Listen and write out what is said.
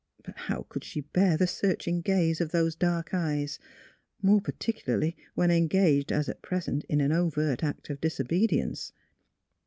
But, how could she bear the searching gaze of those dark eyes, more particularly when engaged as at pres ent, in an overt act of disobedience.